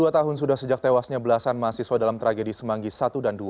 dua tahun sudah sejak tewasnya belasan mahasiswa dalam tragedi semanggi satu dan dua